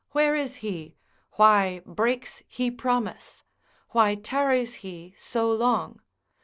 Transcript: where is he? why breaks he promise? why tarries he so long?